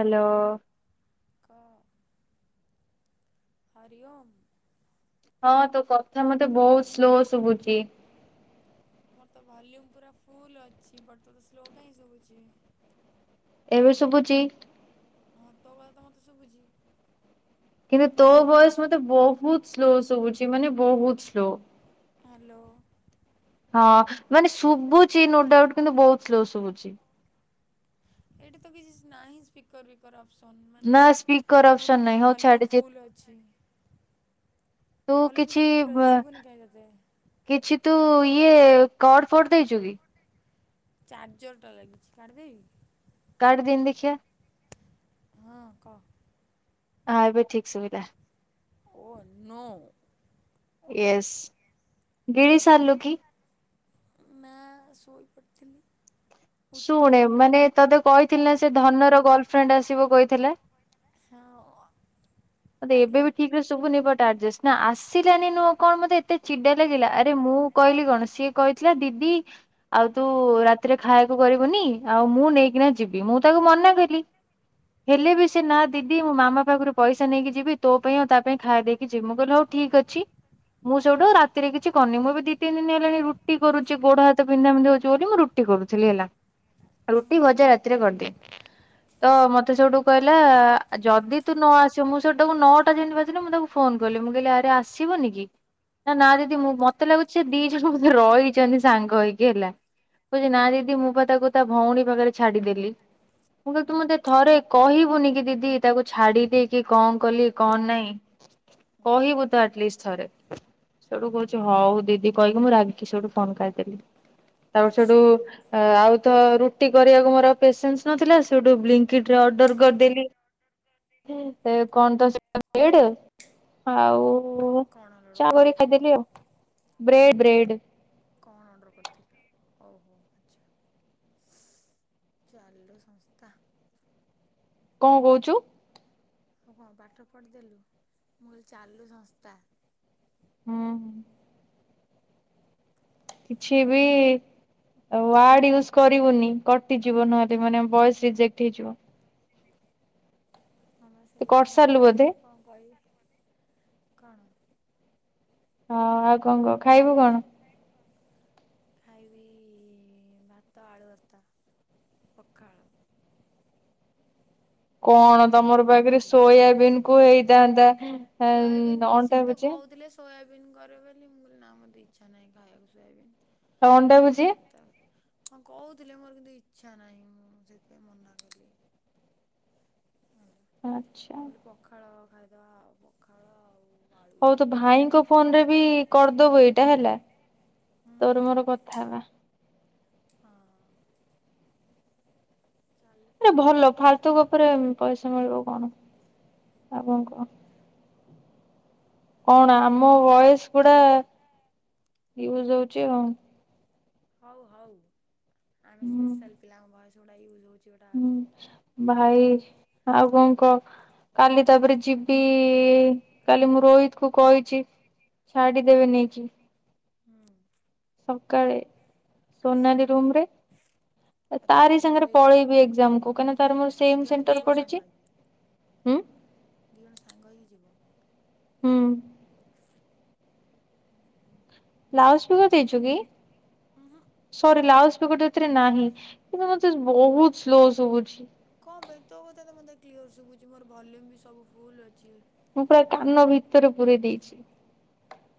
Hello. କ। ହରି ଓମ୍। ହଁ ତୋ କଥା ମତେ ବହୁତ୍ ସ୍ଲୋ ଶୁଭୁଚି। ମୋର ତ ଭଲ୍ୟୁମ୍ ପୁରା ଫୁଲ୍ ଅଛି ବଟ୍ ତତେ ସ୍ଲୋ କାହିଁ ଶୁଭୁଚି? ଏବେ ଶୁବୁଚି। ହଁ ତୋ କଥା ତ ମତେ ଶୁବୁଚି। କିନ୍ତୁ ତୋ ଭୟସ୍ ମତେ ବହୁତ୍ ସ୍ଲୋ ଶୁବୁଚି ମାନେ ବହୁତ୍ ସ୍ଲୋ। ହାଲୋ। ହଁ ମାନେ ଶୁବୁଚି ନୋ ଡାଉଟ୍ କିନ୍ତୁ ବହୁତ୍ ସ୍ଲୋ ଶୁବୁଚି। ଏଇଟି ତ କିଛିସ୍ ନାହିଁସ୍। ପିକର୍ ବିକର୍ ଅପ୍ସନ୍ ମାନେ ନା ସ୍ପିକର ମୁଁ ଅପସନ ତ ନାହିଁ ହଉ ଭଲ୍ୟୁମ୍ ଛାଡିଛି ଫୁଲ୍ ଅଛି। ତୁ ଭଲ୍ୟୁମ୍ ତ କିଛି ଫୁଲ୍ ଅଛି ଶୁଭୁନି କାଇଁ ତତେ। କିଛି ତୁ ଇଏ କଡ଼୍ ଫଡ଼୍ ଦେଇଚୁ କି? ଚାର୍ଜର ଟା ଲାଗିଚି କାଢି ଦେବି। କାଡ଼୍ଦେନି ଦେଖିଆ। ହଁ କ। ହାଁ ଏବେ ଠିକ୍ ସୁବିଲା। ଓ ନୋ। ଓକେ ୟେସ୍ ଗିଳି ସାର୍ଲୁ କି? ନାଁ ଶୋଇ ପଡିଥିଲି। ଶୁଣେ ମାନେ ତତେ କହିଁଥିଲି ନା ସେ ଧନର ଗର୍ଲଫ୍ରେଣ୍ଡ୍ ଆସିବ କହିଥିଲେ। [unintelligible] ମତେ ଏବେ ଆଇଲା ବି ଠିକ୍ ରେ ଶୁବୁନି ବଟ୍ ଆର୍ଜେଷ୍ଟ୍ ନା ଆସିଲାନି ନୁଅଁ କଣ ମତେ ଏତେ ଚିଡା ଲାଗିଲା ଆରେ ମୁଁ କଇଲି କଣ ସିଏ କହିଥିଲା ଦିଦି ଆଉ ତୁ ରାତିରେ ଖାଇଆକୁ କରିବୁନି ଆଉ ମୁଁ ନେଇକିନା ଯିବି ମୁଁ ତାକୁ ମନା କଲି। ହେଲେ ବି ସେ ନା ଦିଦି ମୁଁ ମାମା ପାକରୁ ପଇ ସା ନେଇକି ଯିବି ତୋ ପାଇଁ ଆଉ ତା ପାଇଁ ଖାୟା ଦେଇକି ଯିବ୍ ମୁଁ କହିଲି ହଉ ଠିକ୍ ଅଛି। ମୁଁ ସେଇଟୁ ରାତିରେ କିଛି କରୁନି ମୁଁ ବି ଦି ତିିନ୍ ଏଲାଣି ରୁଟି କରୁଚି ଗୋଡ଼ ହାତ ବିନ୍ଧାବିନ୍ଧି ହଉଚି ବୋଲି ମୁଁ ରୁ ରୁଟି କରୁଥିଲି ହେଲା ରୁଟି ଭଜା ରାତିରେ କରିଦିଏ। ତ ମତେ ସୋଉଟୁ କହିଲା ଯଦି ତୁ ନ ଆସି ତ ମୁଁ ସେଟାକୁ ନଅଟା ଯେମ୍ତି ବାଜିଲା ମୁଁ ତାକୁ ଫୋନ୍ କଲି, ମୁଁ କହିଲି ଆରେ ଆସିବୁନି କି? ନା-ନା ଦିଦି ମୁଁ ମତେ ଲାଗୁଚି ଦି ଜଣ [unintelligible] ରହିଛନ୍ତି ସାଙ୍ଗ ହେଇକି ହେଲା। କୁହୁଚି ନା ଦିଦି ମୁଁ ପା ତାକୁ ତା ଭଉଣୀ ପାଖରେ ଛାଡି଼ଦେଲି। ମୁଁ କହିଲି ତୁ ହୁଁ ମତେ ଥରେ କହିବୁନି କି ଦିଦି ତାକୁ ଛାଡି଼ ଦେଇ କି କଣ କଲି କଣ ନାଇଁ ହୁଁ କହିବୁ ତ ଆଟ୍ ଲିଷ୍ଟ୍ ଥରେ। ସୋଉଟୁ କହୁଚି ହଉ ଦିଦି କହିକି ମୁଁ ରାଗି ସେଠୁ ଫୋନ୍ କାଟିଦେଲି, ତାପରେ ସୋଉଟୁ ଏ ଆଉ ତ ରୁଟି କରିଆକୁ ମୋର ଆଉ ପେସେନ୍ସ୍ ନଥିଲା ସେଠୁ ବ୍ଲିଙ୍କିଟ୍ ରେ ଅର୍ଡ଼ର କଣ କରିଦେଲି। ହେ କଣ ତ [inaudible] ଆଉ ଅର୍ଡ଼ର ଚା କଲୁ କରିକି ଖାଇଦେଲି ଆଉ ବ୍ରେଡ଼-ବ୍ରେଡ଼। କଣ ଅର୍ଡ଼ର କର୍ଥିଲୁ କହୁନୁ [unintelligible] ଚାଲୁ ସଂସ୍ତା। କଁ କଉଚୁ? ତୁ କଣ ପାଠ ପଢି଼ଦେଲୁ, ମୁଁ କଇଲି ଚାଲୁ ସଂସ୍ଥା। ହୁଁ। କିଛି ବି ଆଉ ୱାର୍ଡ ୟୁସ୍ କରିବୁନି କଟିଯିବ ନଏଲେ ମାନେ ବୟେସ୍ ଇଜେକ୍ଟ୍ ହେଇଯିବ। ହଁ ବା ତୁ ସିଲେ କରିସାରିଲୁ ଭାବୁଚି ବୋଧେ କଁ କଇବି କଣ। ହଁ ଆଉ କଂ କ ଖାଇବୁ କଣ? ଖାଇବି ଭାତ, ଆଳୁ ଭତ୍ତା, ପଖାଳ। କଣ ମୁଣ୍ଡଟା ତମର ପ୍ରବଳ ପାଖରେ ବିନ୍ଧୁଚି ସୋୟାବିନ୍ କୁ ହେଇଥାନ୍ତା ସୋୟାବିନି ସିଏ ଅଣ୍ଡା ମତେ ଭୁଜିଆ। କଉଥିଲେ। ସୋୟାବିନ୍ କରେ ବୋଲି ମୁଁ କଇଲି ନା ମୋତେ ଇଚ୍ଛା ନାଇଁ ଖାଇଆକୁ ସୋୟାବିନ୍ ଅଣ୍ଡା ଆଉ। ଭୁଜିଆ ତାପର୍ ହଁ କଉଥିଲେ ମୋର କିନ୍ତୁ ଇଚ୍ଛା ନାଇଁ ମୁଁ ସେଥିପାଇଁ ମନା କଲି। ଆଜ୍ଞା! ଆଚ୍ଛା। ମୁଁ କଇଲି ପଖାଳ ଖାଇଦେଆ ଆଉ ପଖାଳ ଆଉ ଆଳୁ ହଉ ତୁ ଭାଇଙ୍କ ଭର୍ତ୍ତା। ଫୋନରେ ବି କର୍ଦବୁ ଏଇଟା ହେଲା ହୁଁ ତୋର ମୋର କଥା ହେବା। ହଁ! ଚାଲୁ ସଂସ୍ତା। ପରେ ପଇସା ମିଳିବ କଣ ଆଉ କଣ କହ। କଣ ଆମ ବଏସ୍ ଗୁଡ଼ା ୟୁଜ୍ ହଉଚି ଆଉ। ହଉ ହଉ ଆମେ ହୁଁ ସ୍ପେଶାଲ ପିଲାଙ୍କ ଭଏସ୍ ଗୁଡା ୟୁଜ୍ ହଉଚି ଗୁଡା ଆପ୍ ହୁଁ ଭାଇ ଆଉ କଣ କ? କାଲି ତାପରେ ଯିବି କାଲି ମୁଁ ରୋହିତକୁ କହିଚି। ଛାଡ଼ିଦବେ ନେଇକି। ହୁଁ! ସକାଳେ। ଆସିବୁ କେମ୍ତି? ଏ ତାରି ସାଙ୍ଗରେ ପଳେଇବି ଏକ୍ଜାମ୍କୁ କାହିଁନା ତାର ମୋର ଆଚ୍ଛା ସେମ୍ ଦି ଜଣ ସେଣ୍ଟର ଯିବ ସାଙ୍ଗ ପଡ଼ିଚି। ହେଇକି ହୁଁ? ଦି ଜଣ ସାଙ୍ଗ ହେଇକି ଯିବ। ହୁଁ। ହୁଁ ହୁଁ। ଲାଉସ୍ପିକର ଦେଇଚୁ କି? ଉଁ ହୁଁ। [unintelligible] ଲାଉସ୍ପିକର ଏଥିରେ ନାହିଁ କିନ୍ତୁ ମତେ ବହୁତ୍ ସ୍ଲୋ ଶୁଭୁଚି। କଁ ପାଇଁ ତୋ କଥା ତ ମତେ କ୍ଲିୟର ଶୁଭୁଚି ମୋର ଭଲ୍ୟୁମ୍ ବି ସବୁ ଫୁଲ ଅଛି। ମୁଁ ପୁରା କାନ ଭିତରେ ପୁରେଇ ଦେଇଛି।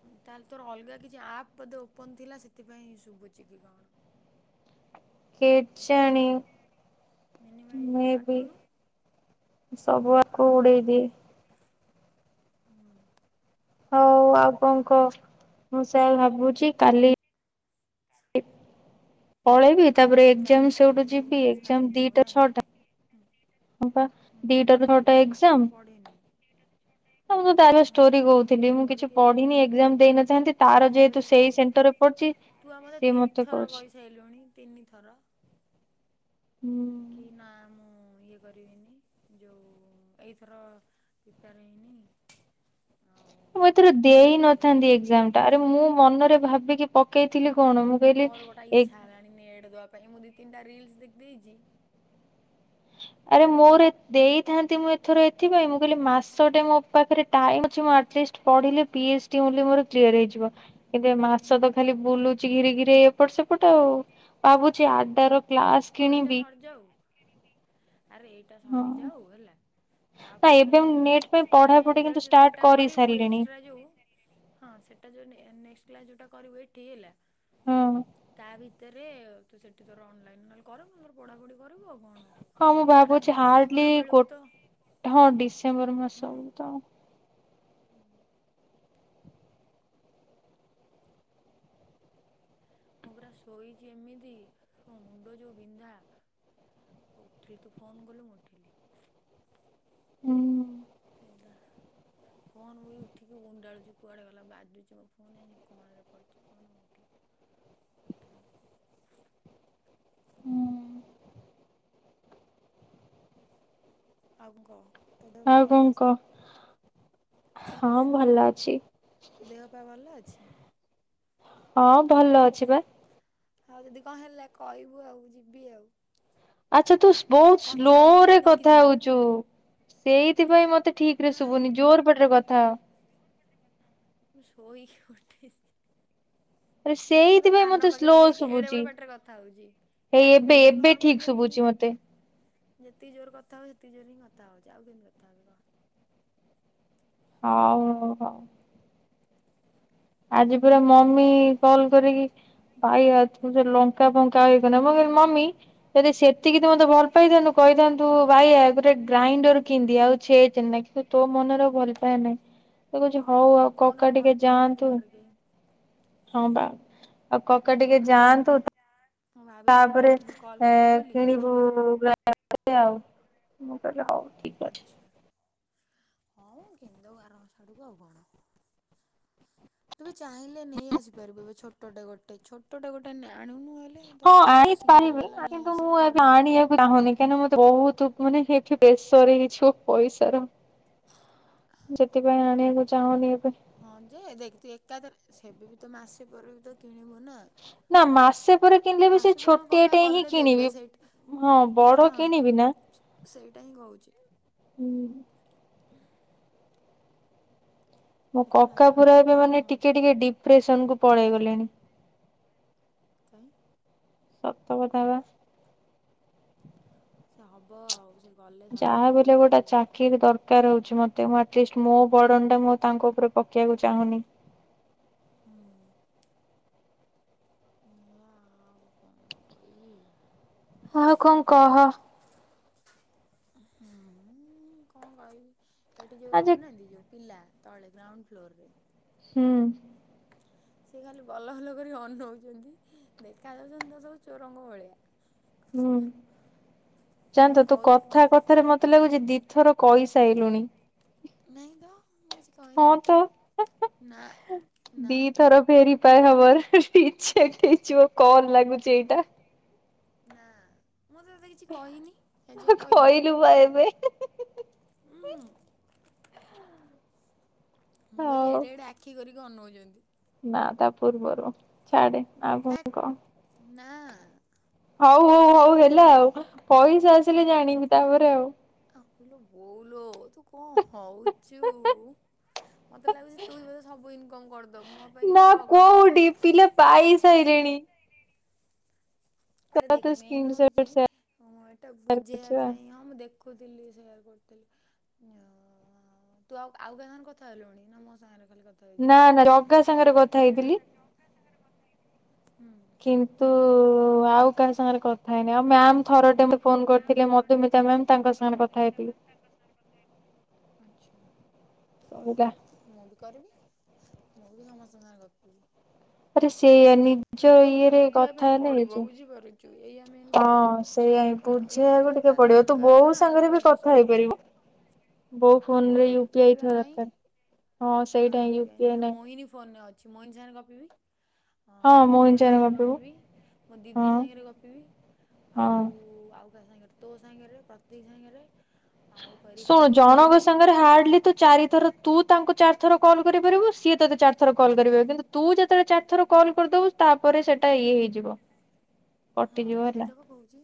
ଉଁ ତାହେଲେ ତୋର ଅଲଗା କିଛି ଆପ୍ ବୋଧେ ଓପନ୍ ଥିଲା ସେଥିପାଇଁଁ ଶୁଭୁଚି କି କଣ। କେଜାଣି ବୁଝିପାରୁଛୁ ମିନିମାଇଜରୁ ମେବି। କାଟୁନୁ ସବୁ [unintelligible] ଉଡେଇ ଦିଏ। ହୁଁ! ହଉ ଆଉ କଁ କ ମୁଁ ସାଇଆ ଭାବୁଚି କାଲି କାଲି। ପଳେଇବି ତାପରେ କାଲି ଏକ୍ଜାମ ତାହେଲେ ତୁ ସେଇଠୁ ଯିବି ଏକ୍ଜାମ ସାଡେ ଯିବୁ ଦିଟା ନାଇଁ? ଛଅଟା ହଁ ପା ହୁଁ ଦିଟା ରୁ ଛଅଟା ପଢିଲୁ ଏକ୍ଜାମ ନା ପଢିନୁ? ଆଉ ମୁଁ ତ ତାର ଷ୍ଟୋରି କହୁଥିଲି ମୁଁ ବହି କିଛି ଟିକେ ପଢିନି ଦେଖେ। ଏକ୍ଜାମ୍ ଦେଇ ନଥାନ୍ତି ତାର ଷ୍ଟୋରି ଯେହେତୁ ସେଇ କହୁଥିଲୁ ସେଣ୍ଟରରେ ପଡିଚି ତୁ ଆମର ତିନିଥର କହିସାରିଲୁଣି ତିନି ଥର। ହୁଁ! କି ନା ମୁଁ ଇଏ କରିବିନି ଯୋଉ ଏଇଥର ପ୍ରିପାର ହେଇନି। ଆଉ ମୁଁ ଏଥିର ଆଉଥରକୁ ଇଏ କରିବି ଯାହା ବି ଦେଇନଥାନ୍ତି ହେଲେ। ଏକ୍ଜାମ୍ଟା ଆରେ ମୁଁ ମନରେ ଭାବିକି ପକ୍ ମୋର ଗୋଟେ ଇଚ୍ଛା ହେଲାଣି ନେଡେ ଦବା ପାଇଁ ମୁଁ ଦି ତିନିଟା ରିଲିସ୍ ଦେଖି ଦେଇଚି। ଆରେ ମୋର ଦେଇଥାନ୍ତି ମୁଁ ଏଥର ଏଥିପାଇଁ ମୁଁ କହିଲି ମାସ୍ ମାସଟେ ମୋ ପାଖରେ ଟାଇମ୍ ଅଛି। ମୁଁ ଆଟ୍ଲିଷ୍ଟ୍ ପଢ଼ିଲେ ପି ଏଚ୍ ଡି ଓନ୍ଲି ମୋର କ୍ଲିୟର୍ ହେଇଯିବ। ଏବେ ମାସ ତ ଖାଲି ବୁଲୁଛି ଘିରି ଘିରି ଏପଟ ସେପଟ ଆଉ। ଭାବୁଛି ଆଡାର କ୍ଲାସ ହଉ ଏଇଟା କିଣିବି ସରିଯାଉ। ଆରେ ଏଇଟା ହଁ। ସରିଯାଉ ହେଲା। ତା ନା ଏବେ ପରେ ମୁଁ ନେଟ୍ ପାଇଁ ମାନେ ପଢାପଢି ଯେତେବେଳେ କିନ୍ତୁ ଯେ ଷ୍ଟାର୍ଟ ସେଟା କରି କରିବୁ ସାରିଲିଣି ଏକ୍ସଟ୍ରା ସେ ଯୋଉ। ହଁ ସେଟା ଯୋଉଟାନେ-ନିକ୍ସ୍ଟା କରିବୁ ଏଠି ହେଲା। ହଁ। ତା ଭିତରେ ତୁ ସେଠି ତୋର ଅନଲାଇନ୍ ନହ କର। ନ ହେଲେ ତୋର ପଢ଼ାପଢ଼ି କରିବୁ ଆଉ କଣ? ହଁ ମୁଁ ଆରାମସେ ଭାବୁଛି ଡିସେମ୍ବର ହାର୍ଡଲି ଗୋ ବେଳକୁ ତ ହଁ ଡିସେମ୍ବର ମାସ ହୁଁ। ବେଳକୁ ତ। ମୁଁ ମୁଁ ପୁରା ଶୋଇଚି ଏମିତି ମୁଣ୍ଡ ଯୋଉ ବିନ୍ଧା। ଉଠିଲି। ତୁ ଫୋନ୍ କଲୁ ମୁଁ ଉଠିଲି। ହୁଁ। ତିନ୍ଦା। ଫୋନ୍ ବି ଉଠିକି ଉଣ୍ଡାଳୁଚି କୁଆଡେ ଗଲା। ବାଜୁଛି ମୋ ଫୋନ୍ ଯାଇ କଣରେ ପଡିଚି। ଫୋନ୍ ଉଠି କଥାବାର୍ତ୍ତା। ହଁ। ଆଉ କଣ କହ? ତୋ ଦେହ ପାଗ ଆଉ କଣ ଭଲ ଅଛି? କହ ହଁ ଭଲ ଅଛି। ତୋ ଦେହ ପାଗ ଭଲ ଅଛି। ହଁ ହଉ। ଭଲ ଅଛି ବା। ଆଉ ଯଦି କଣ ହେଲା କହିବୁ ଆଉ ଯିବି ଆଉ ଆଚ୍ଛା ତୁ ବହୁତ କଞ୍ଚା ଲଙ୍କା ସ୍ଲୋରେ ଟିକେ ନେଇକି କଥା ଯିବି। ହଉଚୁ। ସେଇଥିପାଇଁ ମତେ ଠିକ୍ ରେ ଶୁଭୁନି ନାଇଁ ଜୋର ପାଟିରେ କଥା ହ। ମୁଁ ଶୋଇକି ଉଠେ। ଆରେ ମୁଁ ତ ସେଇଥିପାଇଁ କାନ ମତେ ପାଖରେ ସ୍ଲୋ ଦେଇଚି। ଏଡେ ଶୁଭୁଛି। ବଡ ପାଟରେ କଥା ହଉଛି। ହେଇ ଏବେ କାହିଁକି ମୁଁ ଏବେ ଠିକ ନର୍ମାଲ ଶୁଭୁଛି ଯେତିକି ମତେ ଯେତିକ ଜୋରେ କଥା ହବ ସେତିକି ଜୋରେ ହିଁ କଥା ହଉଚି। ଆଉ କେଏନ୍ତି କଥା ହେବି କ। ହଉ ହଉ ହଉ। ଆଜି ପୁରା ମମ୍ମି କଲ୍ କରିକି ବାଇଆ ତୁ ଯାଉ ଲଙ୍କା ଫ ଙ୍କା ହେଇକନା ମୁଁ କହିଲି ମମ୍ମି ଯଦି ସେତିକି ତୁ ମତେ ଭଲ ପାଇଥାନ୍ତୁ କହିଥାନ୍ତୁ ବାଇଆ ତୁ ଗୋଟେ ଗ୍ରାଇଣ୍ଡର କିିଣ୍ ଦେ ଆଉ ଛେଚେନା। ତୋ ମନରେ ଆଉ ଭଲ ପାଇବା ନାଇଁ। କହୁଛି ହଉ ଆଉ ତୁ କହୁନୁ କକା ଭଲ ଟିକେ ଯାଆ ପାଉନାହାନ୍ତି ନ୍ତୁ। ଘରେ କେହି ହୁଁ। ହଁ ବା ଆଉ କକା ଟିକେ ଯାଆନ୍ତୁ। ମୁଁ ଭାବିଥିଲି ତାପରେ ମ୍ୟାମକୁ କଲ୍ କରିବି ବୋଲି କିଣିବୁ [unintelligible] ମୁଁ କହିଲି ହଉ ଠିକ୍। ଅଛି। ଆଚ୍ଛା। ହଉ କିଣି ଦେବୁ ଆର ମାସ ଆଡକୁ ଆଉ କଣ? ତୁ ବି ଚାହିଁଲେ ନେଇ ଆସି ପାରିବୁ। ଏବେ ଛୋଟା ଗୋଟେ। ଛୋଟା ଗୋଟେ ଆଣୁନୁ ହେଲେ। [inaudible] ତ ଚାହୁଁନି। ତ ସିଙ୍ଗିଲ୍ ବାଲା କାହିଁକିନା ନେଇ ଆସିବୁ ବଢ଼ିଆ। ମତେ ବହୁତ ମାନେ ଏଠି ପ୍ରେସର ହେଇଯିବ ପଇସାର। ସେଥିପାଇଁ ଆଣିବାକୁ ଚାହୁଁନି ଏବେ। ହଁ ଯେ ଦେଖ୍। ତୁ ଏକାଥରେ ସେବେ ବି ତ ମାସେ ପରେ ବି ତ କିଣିବୁ ନା। ନା ମାସେ ପରେ କିଣିଲେ ବି ସେ ମାସେ ପରେ ଆମ ଛୋଟିଆ କକା ଟେ ହିଁ ଗଲେ ଦେବେ କିଣିବି। ସେଇଟା ହଁ ବଡ ହଁ। କିଣିବି ନା। ସେଇଟା ହିଁ କହୁଛି ମୋ କକା ଦେଖାଯାଉ ପୁରା ଏବେ କଣ ମାନେ ଟିକେ ହଉଛି ଟିକେ ଡିପ୍ରେସନକୁ ପଳେଇ ଗଲେଣି। କାଇଁଁ? ସତ କଥା ବା। ସେ ହବ ଆଉ। ଗଲେ ସାଡ଼କୁ ଯାହା ସବୁ ବି ଠିକ୍ ହେଲେ ଗୋଟେ ହେଇଯିବ। ଚାକିରି ଦର୍ କାର ହଉଚି ମତେ ମୁଁ ଆଟଲିଷ୍ଟ ମୋ ବର୍ଡନ ଟା ମୁଁ ଆଉ ତାଙ୍କ ଉପରେ ପକେଇବାକୁ ଚାହୁଁନି। ହଁ। ଏ ଆଉ କଣ କଇବି। ହଁ ଆଉ କଣ କହ? ହୁଁ କଣ କହିବି ଏଠି ଯୋଉ ଆଜି ରହୁନାହାନ୍ତି ଯୋଉ ପିଲା ତଳେ ଗ୍ରାଉଣ୍ଡ ଫ୍ଲୋର ରେ ହୁଁ। ସିଏ ଖାଲି ବଲ ବଲ କରି ଅନଉଚନ୍ତି ଦେଖାଯାଉଚନ୍ତି ତା ସବୁ ଚୋରଙ୍କ ଭଳିଆ। ହୁଁ ମୁଁ ତାଙ୍କୁ ଜାଣିଚୁ ତୁ କହୁଥିଲି ମୁଁ କଥା କହିଲି କଥାରେ ମତ୍ ମତେ ଲାଗୁଚି ଦିଥର କଇସାଇଲୁଣି। ନାଇଁ ତ ମୁଁ କିଛି କଇନି ତ। ନା ନା। ଥର ଫେରି [unintelligible] ରିଜେକ୍ଟ ହେଇଯିବ କଲ୍ ଲାଗୁଚି ଏଇଟା। ନା ମୁଁ ତ ତତେ କିଛି କହିନି ଏ ଯାଏଁ କଇଲିଣି। କହିଲୁ ବା ଏବେ ହୁଁ ମୁଁ କହିଲି ହଉ। ଏଡ଼େ ଏଡ଼େ ଆଖି କରିକି ଅନଉଚନ୍ତି। ନା ତା ପୂର୍ବରୁ ଛାଡେ ଆଉ ହେ କଣ କ? ନା। ହଉ ହଉ ହଉ ହେଲା ଆଉ ପଇସା ଆସିଲେ ଜାଣିବୁ ତାପରେ ଆଉ। କଁ ଇଲୋ ବୋଉଲ ତୁ କଣ ହଉଚୁ। ମତେ ଲାଗୁଚି ତୁହିଁ ବୋଧେ ସବୁ ଇନକମ କରିଦବୁ ମୋ ପାଇଁ ନା କିଛି ରଖ ଟିକେ। କୋଉଠି ପିଲା ପାଇ ସାଇଲେଣି। ଆରେ ଦେଖ ତୁ ମେନ୍ ସ୍କ୍ରିନ୍ ହଉଚି ସଟ୍ ହଁ ଏଟା ସେୟାର ବୁଝେଇବା କରିଛୁ ଆ ପାଇଁ ହଁ ମୁଁ ଦେଖ ଦେଖୁଥିଲି ସେୟାର୍ କରୁଥିଲି ହଁ ତୁ ଆଉ ଆଉ କାହା ସାଙ୍ଗରେ କଥା ହେଲୁଣି ନା ମୋ ସାଙ୍ଗରେ ଖାଲି କଥ ନା ନା ଜଗା ସାଙ୍ଗରେ କଥା ହେଇଥିଲି। ଜଗା ସାଙ୍ଗରେ କଥା ହେଇଥିଲି। କିନ୍ତୁ ଆଉ କାହା ସାଙ୍ଗରେ କଥ୍ କଥା ହେଇନି ଆଉ ମ୍ୟାମ୍ ଥର ଟେ ମତେ ଫୋନ କରିଥିଲେ ମଧୁମିତା ମ୍ୟାମ୍ ତାଙ୍କ ସାଙ୍ଗରେ କଥା ହେଇଥିଲି। ଆଚ୍ଛା। ସଉଦା। ମୁଁ ବି କରିବି ନା ମୁଁ ବି ସମସ୍ତଙ୍କ ସାଙ୍ଗରେ ଗପିବି। ଆରେ ସେ ଆନ୍ ନିଜ ସମସ୍ତଙ୍କୁ ଟିକେ ଇଏରେ ବୁଝିବା ପାଇଁ କଥା ହେଲେ ଏଇ ପଡ଼ିବ ବୁଝିପାରୁଛୁ ଏଇଆ ମେନ୍ ଯୋଉ ହଁ ପ୍ରୋବ୍ଲେମ୍। ସେଇଆ ୟୁ ପି ବୁଝେଇବାକୁ ଆଇ ଟା ଟିକେ ପଡିବ ତୁ ଦରକାର ବୋଉ ନା ସାଙ୍ଗରେ ବି ବୁଝିପାରୁଛୁ କଥା ସମସ୍ତେ ହେଇପାରିବୁ। ବୋଉ ମୋ ଫୋନ ରେ ବୋଉର ୟୁ ପି ଆଇ ବା ଥିବା ନାହିଁ। ଦରକାର ନା ୟୁ ପି ଆଇ ନାଇଁ ଆଉ ମୋହିନୀ ଫୋନରେ ଅଛି ମୋହିନୀ ସାଙ୍ଗ ରେ ଗପିବି। ହଁ ମୋହିନୀ ମୋଚିପର୍ଣ୍ଣା ଚାଇନା ସାଙ୍ଗରେ ଗପିବୁ। ଗପିବି ମୋ ହଁ ଦିଦି ସାଙ୍ଗରେ ଗପିବି ହଁ। ଆଉ ଆଉ ସାଙ୍ଗରେ ତୋ ସାଙ୍ଗରେ ପ୍ରତିକ ସାଙ୍ଗରେ ଆଉ କ ଶୁଣୁ ରିତୁକୁ ବି ଜଣଙ୍କ କହିଦେବି ସାଙ୍ଗରେ ହାର୍ଡଲି ତୁ ଚାରିଥର ତୁ ତାଙ୍କୁ ଚାରି ଥର କଲ୍ କରିପାରିବୁ ସିଏ ତୋତେ ଚାର ଥର କଲ୍ କରିବେ କିନ୍ତୁ ତୁ ଯେତେବେଳେ ଚାର ଥର କଲ କରିଦବୁ ତାପରେ ସେଟା ଇଏ ହେଇଯିବ। ହଁ କଟିଯିବ ହେଲା। ସେଇଟାକୁ- ହଉଚି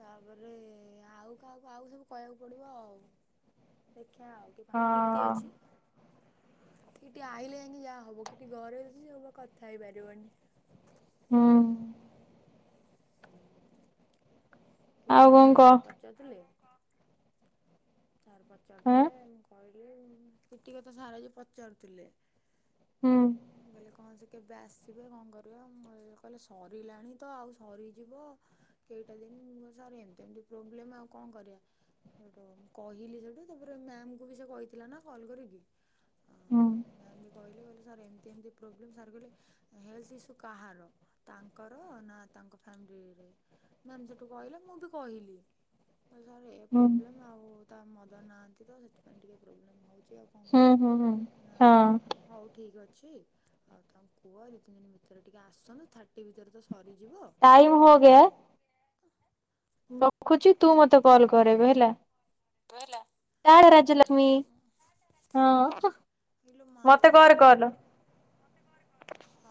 ତାପରେ ଆଉ କାହାକୁ ଆଉ ସବୁ କହିବାକୁ ପଡିବ ଆଉ। ଦେଖିଆ ଆଉ [inaudible] କିଟି ହଁ। ଅଛି। କିଟି ଆଇଲେ ଯାଇଁକି ଯାହା ହବ କିଟି ଘରେ ସେ ବା କଥା ହେଇ ପାରିବନି। ହଁ ହୁଁ କିଟି ଆଉ କଥା କଣ ଆଜି କହ ସାର୍ ପଚାରୁଥିଲେ ସାର ଆଁ ପଚାରୁଥିଲେ ମୁଁ କହିଲି କିଟି କଥା ସାର ଆଜି ପଚାରୁଥିଲେ ହୁଁ ମୁଁ କହିଲେ କଣ ସେ କେବେ ଆସିବେ କଣ କରିବା ମୁଁ କହିଲ କହିଲେ ସରିଲାଣି ତ ଆଉ ସରିଯିବ କେଇଟା ଦିନ ମୁ କହିଲି ସାର ଏମତି ଏମତି ପ୍ରୋବ୍ଲେମ ଆଉ କଣ କରିବା ମୁ କହିଲି ସେଠୁ ତାପରେ ମ୍ୟାମକୁ ବି ସେ କହିଥିଲା ନା କଲ କରିକି ଆ ହୁଁ ମାମ୍ କହିଲେ କହିଲେ ସାର୍ ଏମିତି ଏମିତି ପ୍ରୋବ୍ଲେମ୍ ସାର କହିଲେ ହେଲ୍ଥ ଇସୁ କାହାର ତାଙ୍କର ନା ତାଙ୍କ ଫ୍ୟାମିଲିରେ ମ୍ୟାମ ସେଠୁ କହିଲେ ମୁଁ ବି କହିଲି ହ ସାର୍ ଏ ହୁଁ। ପ୍ରୋବ୍ଲେମ୍ ଆଉ ତା ମଦର ନାହାନ୍ତି ତ ସେଥିପାଇଁ ଟିକେ ପ୍ରୋବ୍ଲେମ ହଉଛି ଆଉ କଣ ହୁଁ କରେ ହୁଁ ହୁଁ ନା ହଁ ହଉ ଠିକ୍ ଅଛି ଆଉ ତାଙ୍କୁ କୁହ ଦୁଇ ତିନି ଦିନ ଭିତରେ ଟିକେ ଆସନ୍ତୁ ଥାର୍ଟି ଭିତରେ ତ ସରିଯିବ ଟାଇମ ହୋ ଆ ଗୟା। [unintelligible] ରଖୁଛି ତୁ ମତେ କଲ କର ଏବେ ହେଲା ବହିଲ ଟାଟା [unintelligible] ରାଜଲକ୍ଷ୍ମୀ ଆ ରଙ୍ଗ ହଁ ଇଲୋ ମତେ ମାଲ କର ହଉ କଲ୍। ହଁ